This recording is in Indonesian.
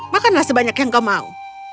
makanlah sebanyak yang kau mau